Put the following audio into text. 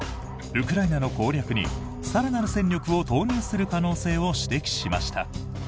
ウクライナの攻略に更なる戦力を投入する可能性を指摘しました。